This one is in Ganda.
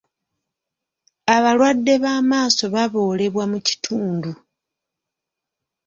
Abalwadde b'amaaso baboolebwa mu kitundu.